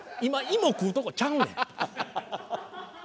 芋食うとこちゃうねん。